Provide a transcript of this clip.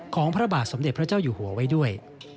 พระบาทสมเด็จพระเจ้าอยู่หัวไว้ด้วย